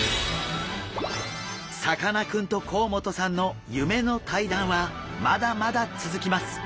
さかなクンと甲本さんの夢の対談はまだまだ続きます！